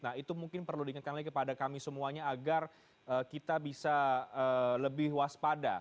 nah itu mungkin perlu diingatkan lagi kepada kami semuanya agar kita bisa lebih waspada